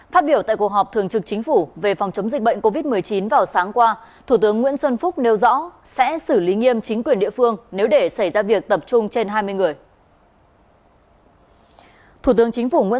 hãy đăng ký kênh để ủng hộ kênh của chúng mình nhé